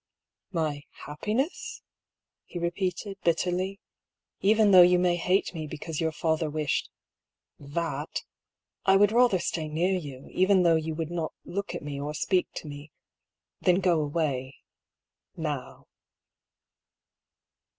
"My — happiness?" he repeated, bitterly. "Even though you may hate me because your father wished — that — I would rather stay near you, even though you THE LOCKET. 115 would not look at me, or speak to me — than go away — now."